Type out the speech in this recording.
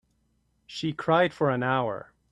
She cried for an hour.